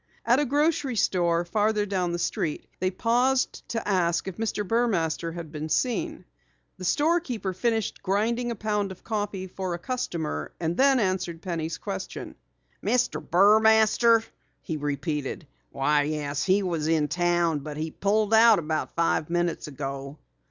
At a grocery store farther down the street they paused to ask if Mr. Burmaster had been seen. The store keeper finished grinding a pound of coffee for a customer and then answered Penny's question. "Mr. Burmaster?" he repeated. "Why, yes, he was in town, but he pulled out about five minutes ago."